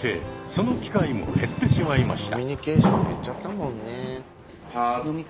その機会も減ってしまいました。